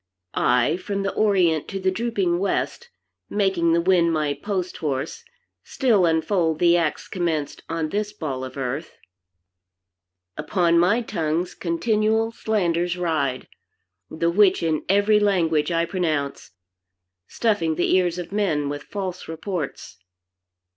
I, from the orient to the drooping west, Making the wind my post horse, still unfold The acts commenced on this ball of earth: Upon my tongues continual slanders ride; The which in every language I pronounce, Stuffing the ears of men with false reports.